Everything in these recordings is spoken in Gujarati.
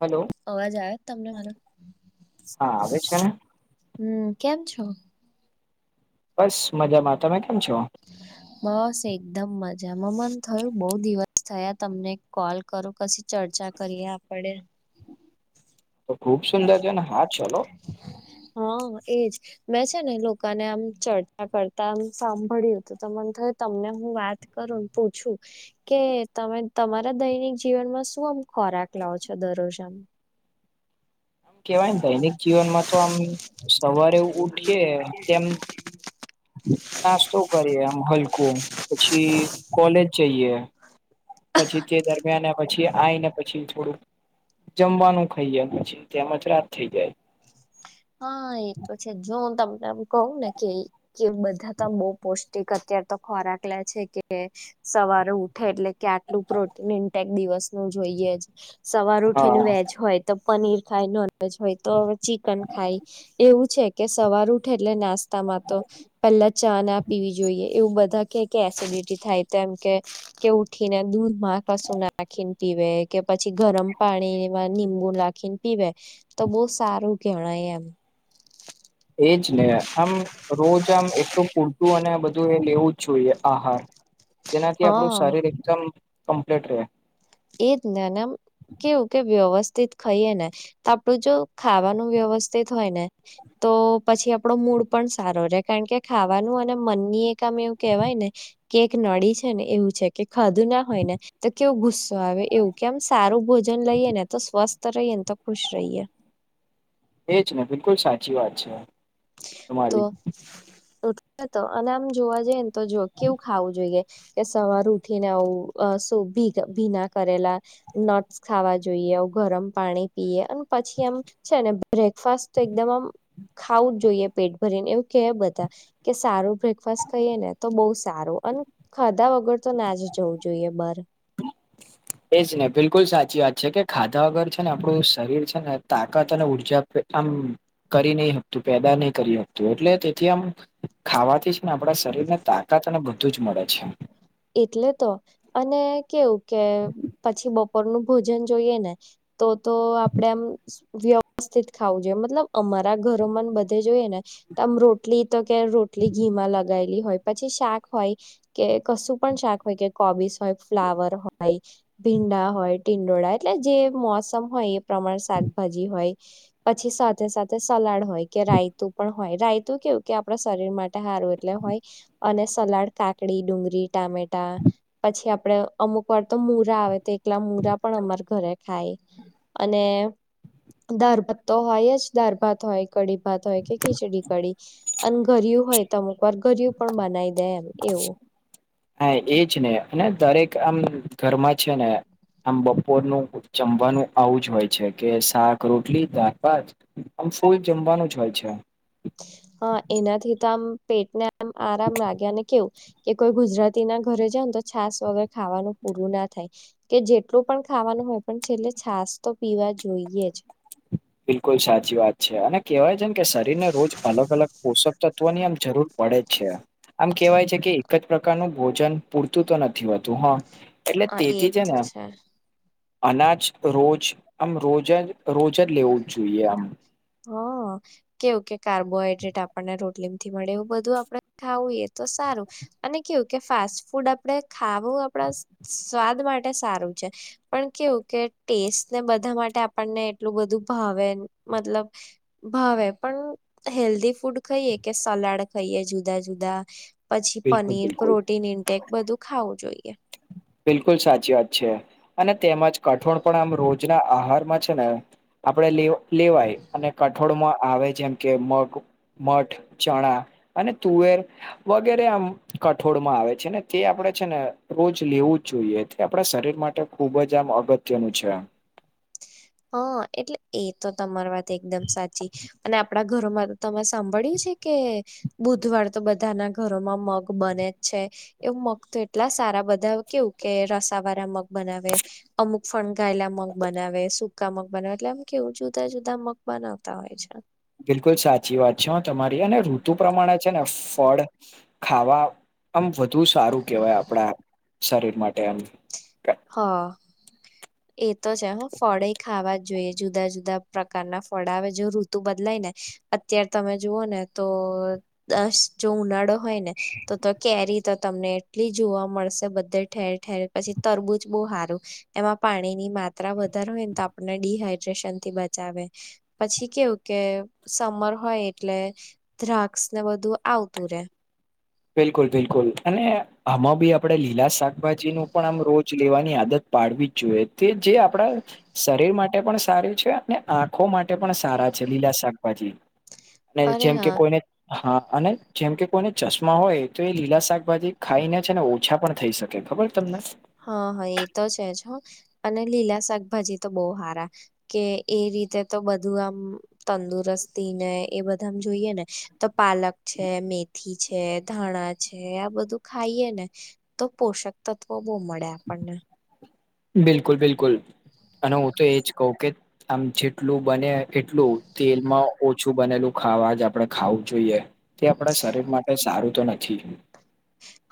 હલો અવાજ આવ તમને મારો? હા આવે છે હ ને હમ કેમ છો? બસ મજામાં તમે કેમ છો? બસ એકદમ મજામાં મન થયું બહુ દિવસ થયા તમને કોલ કરો કછી ચર્ચા કરીએ આપડે. તો ખુબ સુંદર છે ને હા ચલો. હા એજ. મેં છે ને લોકોને આમ ચર્ચા કરતામ સાંભળ્યું હત મને થય તમને હું વાત કર પૂછું. કે તમે તમારા દૈનિક જીવનમાં શું આમ ખોરાક લાવ છો દરરોજ આમ? કેવાય દૈનિક જીવનમાં તો આમ સવારે ઉઠીએ તેમ નાસ્તો કરીએ એમ હલકું, પછી કોલેજ જઈએ. પછી તે દરમિયાન પછી આવીઈ ને પછી થોડું જમવાનું ખાઈએછ ત્યાં મચરાત થઇ જાય. હા એતો છે જો તમનેમ કહું ને કે બધા ત બહ પોસ્ટ ક અત્યાર તો ખોરાક લે છે કે સવારે ઉઠે એટલે કે આટલું પ્રોટીન ઇન્ટેક દિવસ નું જોઈએ જ. સવાર ઉઠી ન હા વેજ હોય તો પનીર ખાય નોનવેજ હોય તોવે ચિકન ખાય, એવું છે કે સવાર ઉઠે એટલે નાસ્ તા તો, પહેલા ચા ના પીવી જોઈએ એવું બધા કે એસિડિટી થાય તોમ કે. કે ઉઠીને દૂધમાં કશું નાખીને પીવે કે પછી ગરમ પાણીમાં નિબુ નાખીને પીવે, તો બહુ સારું કેણાય એમ. એજ ને આમ રોજ આમ એટલું પૂરતું અને બધું એ લેવું જ જોઈએ આહાર. જેનાથી આપણું હા શરીર એકદમ કમ્પ્લીટ રહે. એજ નાના કેવું કે વ્યવસ્થિત ખાઈએ ને તો, આપડું જો ખાવાનું વ્યવસ્થિત હોય ને. તો પછી આપણો મૂડ પણ સારો રહે કારણ કે ખાવાનું અને મનની એક મે એવું કેવાય ને, કે એક નડી છે ને એવું છે કે ખાધું ના હોય ને, તો કેવું ગુ હવે એવું કેમ સારું ભોજન લઈએ ને તો સ્વસ્થ રહીએ ને તો ખુશ રહીએ. એજ ને બિલકુલ સાચી વાત છે. તો તમારી તો અને આમ જોવા જઈ ને તો જો કેવું ખાવું જોઈએ. કે સવાર ઉઠી ને આવું શું ભી ભીના કરેલા. નટ્સ ખાવા જોઈએ આવ ગરમ પાણી પીએ અને પછી એમ છે ને બ્રેકફાસ્ટ તો એકમ આમ ખાવું જ જોઈએ પેટ ભરીને એવું કે બધા. કે સારું બ્રેકફાસ્ટ ખાય ને તો બહુ સારું અને ખાધા વગર તો ના જ જવું જોઈએ બાર. [inaudible] એ જ ને બિલકુલ સાચી વાત છે કે ખાધા વગર છે ને આપણું શરીર છે ને તાકાત અને ઉર્જા આપે. આમ કરી નહી હકતું પેદા નહી કરી શકતું એટલે તેથી આમ ખાવા થી જ ને આપણા શરીર ને તાકાત અને બધું જ મળે છે. એટલે તો. અને કેવું કે પછી બપોર નું ભોજન જોઈએ ને. તો તો આપડે આમ વ્યવસ્થિત ખાવું જોઈએ મતલબ અમારા ઘરો માં બધા જોઈએ ને, તો આમ રોટલી તો કે રોટલી ઘી માં લગાવે. હોય પછી શાક હોય, કે કશું પણ શાક હોય કે કોબીસ હોય ફ્લાવર હોય. ભીંડા હોય ટીંડોળ એટલે જે મોસમ હોય એ પ્રમાણે શાકભાજી હોય, પછી સાથે સાથે સલાડ હોય કે રાયતું પણ હોય રાયતું કેવું કે આપણા શરીર માટે સારું એટલે હોય, અને સલાડ કાકડી ડુંગળી. ટમેટા. પછી આપડે અમુક વાર તો મૂળા આવે તો એટલા મૂળા પણ અમારા ઘરે ખાય. અને દાળ ભાત હોય જ દાળ ભાત હોય કઢી ભાત હોય કે ખીચડી કઢી. અને ઘરિયું હોય તો અમુક વાર ઘરિયું પણ બનાવી દે એમ એવું. હા એ જ ને અને દરેક આમ ઘર માં છે ને. આમ બપોરનું જમવાનું આવું જ હોય છે કે શાક રોટલી દાળ ભાત. આમ શુ જમવાનું જ હોય છે. હા એનાથી તો આમ પેટને આમ આરામ લાગ્યા અને કેવું. કે કોઈ ગુજરાતી ના ઘરે જાવ ને તો છાસ વગર ખાવાનું પૂરું ના થાય. કે જેટલું પણ ખાવાનું હોય પણ છેલ્લે છાસ તો પીવા જોઈએ જ. બિલકુલ સાચી વાત છે અને કહેવાય છે કે શરીરને રોજ અલગ અલગ પોષક તત્વ ની આમ જરૂર પડે જ છે. આમ કહેવાય છે કે એક જ પ્રકારનું ભોજન પૂરતું તો નથી હોતું હા. એટલે હા, તે એ થી છે તો ને. અનાજ રોજ આમ રોજ રોજ જ લેવું જ જોઈએ આમ. હા. કેવું કે કાર્બોહાઈડ્રેટ આપણને રોટલી થી મળે એવું બધું આપડે ખાવું એ તો સારું. અને કેવું કે ફાસ્ટ ફૂડ આપણેે ખાવું આપણા સ્વાદ માટે સારું છે. પણ કેવું કે ટેસ્ટ ને બધા માટે આપણને એટલું બધું ભાવે મતલબ ભાવે પણ હેલ્ધી ફૂડ ખાઈએ કે સલાડ ખાઈએ જુદા જુદા. પછી બિલકુલ પનીર બિલકુલ પ્રોટીન ઇન્ટેક બધું ખાવું જોઈએ. બિલકુલ સાચી વાત છે, અને તેમજ કઠોણ પણ આમ રોજ ના આહારમાં છે ને. આપડે લે લેવાય અને કઠોળમાં આવે જેમ કે મગ. મઠ, ચણા અને તુવેર. વગેરે આમ કઠોળ માં આવે છે ને તે આપડે છે ને. રોજ લેવું જ જોઈએ તે આપણા શરીર માટે ખુબ જ આમ અગત્યનું છે. હ એટલે એ તો તમારી વાત એકદમ સાચી. અને આપણા ઘર માં તો તમે સાંભળ્યું છે કે બુધવારે તો બધાના ઘરોમાં મગ બને જ છે. એ મગ તો એટલા સારા બધા કેવું કે રસા વાળા મગ બનાવે. અમુક ફણગાયેલા મગ બનાવે છે. શુંકા મગ બનાવે, એટલે આમ કેવું જુદા જુદા મગ બનાવતા હોય છે. બિલકુલ સાચી વાત છે તમારી અને ઋતુ પ્રમાણે છે ને ફળ. ખાવા, આમ વધુ સારું કહેવાય આપણા શરીર માટે આમ. હા. એ તો છે હ ફળે એ ખાવા જોઈએ જુદા જુદા પ્રકારના ફળ આવે જો ઋતુ બદલાય ને અત્યારે તમે જુઓ ને તો દસ જો ઉનાળો હોય ને તો તો કેરી તો તમને એટલી જોવા મળશે બધે ઠેર ઠેર પછી તરબુંજ બહુ હારું એમાં પાણી ની માત્રા વધારે હોય ને તો આપણને ડીહાઈડ્રેશન થી બચાવે. પછી કેવું કે સમર હોય એટલે દ્રાક્ષ ને બધું આવતું રે. બિલકુલ બિલકુલ અને આમાં બી આપડે લીલા શાકભાજી નું પણ આમ રોજ લેવાની આદત પાડવી જ જોઈએ તે જે આપડા શરીર માટે પણ સારું છે અને આંખો માટે પણ સારા છે લીલા શાકભાજી. અને અરે જેમ કે હા કોઈને હા અને જેમ કે કોઈને ચશ માં હોય તો એ લીલા શાકભાજી ખાઈને છે ને ઓછા પણ થઈ શકે ખબર તમને? હા હા એ તો છે જ અને લીલા શાકભાજી તો બોહ હારા. કે એ રીતે તો બધું આમ તંદુરસ્તી ને એ બધા જોઈએ ને. તો પાલક છે મેથી છે ધાણા છે આ બધું ખાઈએ ને તો પોષક તત્વો બોહ મળે આપણને. બિલકુલ બિલકુલ અને હું તો એજ કહું કે આમ જેટલું બને એટલું તેલમાં ઓછું બનેલું ખાવાજ આપડે ખાવું જોઈએ. તે આપડા શરીર માટે સારું તો નથી.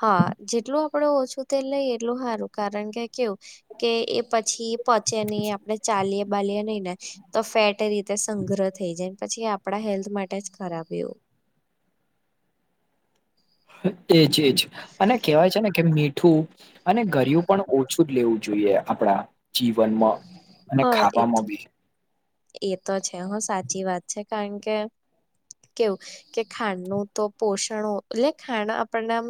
હા, જેટલું આપડે ઓછું તે લઈ એટલું સારું કારણ કે કેવું કે એ પછી એ પહોંચે નહીં આપડે ચાલીએ. બાલિયા નહી ને તો ફેટ રીતે સંગ્રહ થઈ જાય પછી આપડા હેલ્થ માટે જ ખરાબ એવું એજ એજ અને કહેવાય છે ને કે મીઠું અને ઘરિયું પણ ઓછું જ લેવું જોઈએ આપડા જીવનમાં અને હા એ ખાવા તો માં ભી. એ તો છે હા સાચી વાત છે કારણ કે કેવું કે ખાંડ નું તો પોષણો એટલે ખાંડ આપણને આમ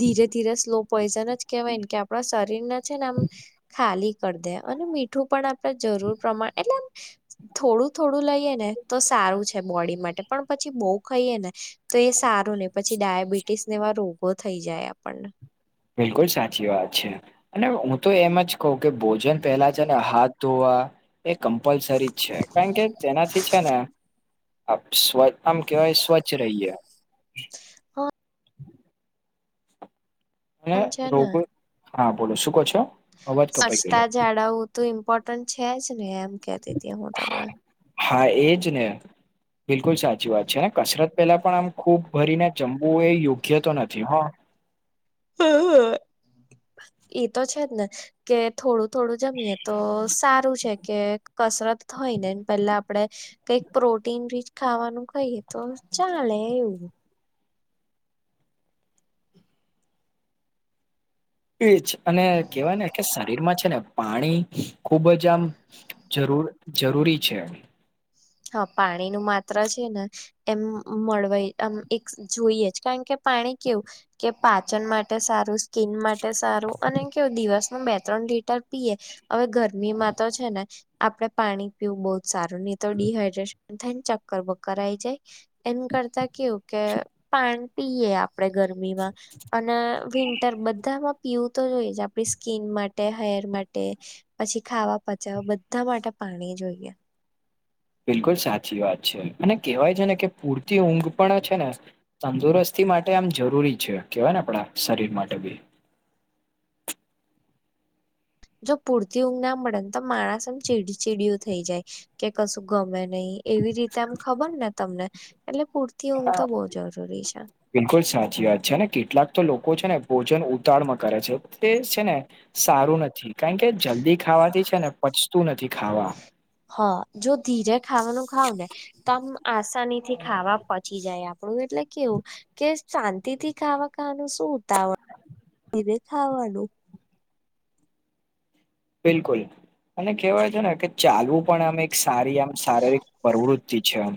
ધીરે ધીરે સ્લો પોઈઝન જ કેવાયને કે આપડા શરીર ના છે ને આમ ખાલી કરી દે અને મીઠું પણ આપડે જરૂર પ્રમાણે એટલે આમ થોડું થોડું લઈએ ને તો સારું છે બોડી માટે પણ પછી બહુ ખાઈએ ને તો એ સારું નહીં પછી ડાયાબિટીસ ને એવા રોગો થઈ જાય આપણને. બિલકુલ સાચી વાત છે. અને હું તો એમ જ કહું કે ભોજન પહેલા છે ને હાથ ધોવા એ કમ્પલસરી છે કારણ કે તેનાથી છે ને આપ સ્વચ આમ કવાય સ્વચ્છ રહીએ. હા. અને પણ છે રોગો હા બોલો શું કો છો? અવાજ કપાઈ ગયેલો સચતા જાડાવું તો ઇમ્પોર્ટન્ટ છે જ ને એમ કેતી હતી હું તમને. હા, એજ ને. બિલકુલ સાચી વાત છે ને કસરત પેલા પણ આમ ખૂબ ભરીને જમવું એ યોગ્ય તો નથી હા. હા હા એતો છે જ ને કે થોડું થોડું જમીય તો સારું છે કે કસરત થઈ ને પેલા આપડે કઈક પ્રોટીન રીચ ખાવાનું કહીએ તો ચાલે એવું. એ જ અને કેહેવાય ને કે શરીર માં છે ને. પાણી ખુબ જ આમ જરૂર જરૂરી છે. હા પાણી નું માત્ર છે ને. એમ મળવાય આમ એક જોઈએ જ કારણ કે પાણી કેવું. કે પાચન માટે સારું સ્કીિન માટે સારું અને કેવું દિવસ હ બે ત્રણ લીટર પીએ, હવે ગરમીમાં તો છે ને. આપડે પાણી પીવું બહુ જ સારું નહ તો ડડીહાઈડ્રેશન થાય ને ચક્કર બક્કર આઈ જાય. એમ કરતા કેવું કે પાણી પીએ આપ આપણે ગરમીમાં, અને વિન્ટર બધામાં પીવું તો જોઈ છે આપ આપડી સ્કીન માટે હેર માટે, પછી ખાવા પચાવા બધા માટે પાણી જોઈએ. બિલકુલ સાચી વાત છે અને કેહેવાય છે ને કે પૂરતી ઊંઘ પણ છે ને. તંદુરસ્તી માટે આમ જરૂરી છે કેવાય ને આપડા શરીર માટે બી. જો પૂરતી ઊંઘ ના મળે ને તો માણસ એમ ચીડી ચીડીયું થઈ જાય, કે કશું ગમે નહીં. નહી એવી રીતે આમ ખબર ને તમને, એટલે પૂરતી ઊંઘ તો બહ જરૂરી છે. બિલકુલ સાચી વાત છે ને કેટલાક તો લોકો છે ને ભોજન ઉતાડ માં કરે છે તે છે ને સારું નથી કારણ કે જલ્દી ખાવાથી છે ને પચતું નથી ખાવાનુ. હ જો ધીરે ખાવાનું ખાાવ ને. તમ આસાની થી ખાવા પહોચી જાય આપડું એટલે કેવું. કે શાંતિ થી ખાવા ખાનું શું ઉતાવળ ધ ખાવાનું. બિલકુલ, અને કહેવાય છે ને કે ચાલવું પણ આમ એક સારી આમ શારીરિક પ્રવૃતિ છે. છા [unintelligible]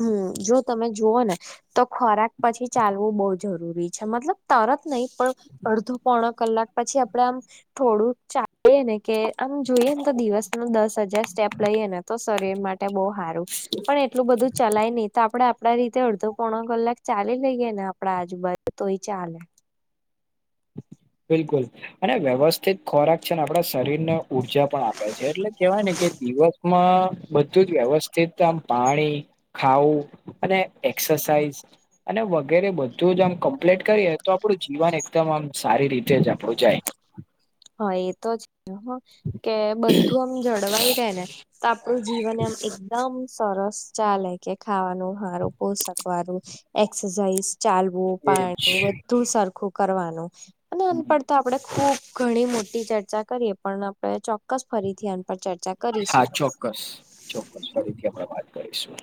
હમ જો તમે જુઓ ને, તો ખોરાક પછી ચાલવું બહુ જરૂરી છે મતલબ તરત નહી. નહી, પણ અડધો પોણ કલાક પછી આપડે આમ થોડુંક ચાલે ને કે આમ જોઈએ ને તો દિવસ ન દસ હજાર સ્ટેપ લઈએ ને તો શર માટે સારુ. બ સારું, પણ એટલું બધું ચલાય નહી. આપડે આપડા રીતે અડધો પોણ કલાક ચાલી લઈએ ને આપડા આજુબાજુ તોય ચાલે. બિલકુલ. અને વ્યવસ્થિત ખોરાક છે ને આપડા શરીરને ઉર્જા પણ આપે છે એટલે કેહેવાય ને કે દિવસ માં બધું જ વ્યવસ્થિતમ પાણી, ખાવું. અને એક્સરસાઇઝ, અને વગેરે બધું જો આમ કમ્પ્લીટ કરીએ તો આપડું જીવન એકદમ આમ સારી રીતે જ આપડું જાયછે. હા એતો જ કે બધું આમ જળવાય રે ને. તો આપણું જીવન એમ એકદમ સરસ ચાલે કે ખાવાનું સારું પોષકવાનું. એક્સરસાઇઝ ચાલવું એજ પાણી બું સરખું કરવાનું, અને હમ. અનપતા આપણે ખૂબ ઘણી મોટી ચર્ચા કરીએ પણ આપણે ચો હા ચોક્કસ, ચોક્કસ ફરીથી આપણે વાત કરીશું.